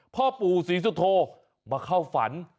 พ่อปู่ศรีสุโธมาเข้าฝัน